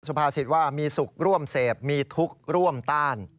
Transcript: ภาษิตว่ามีสุขร่วมเสพมีทุกข์ร่วมต้าน